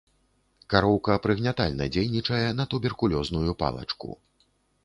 Кароўка прыгнятальна дзейнічае на туберкулёзную палачку.